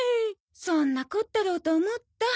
そんなこったろうと思った。